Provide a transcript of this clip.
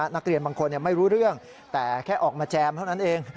นักเรียนบางคนไม่รู้เรื่องแต่แค่ออกมาแจมเท่านั้นเอง